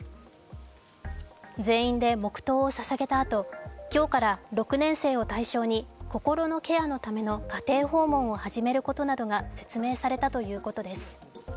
全員で黙とうを捧げたあと今日から６年生を対象に心のケアのための家庭訪問を始めることなどが説明されたということです。